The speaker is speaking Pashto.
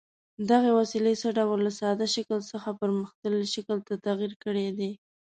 دغې وسیلې څه ډول له ساده شکل څخه پرمختللي شکل ته تغیر کړی دی؟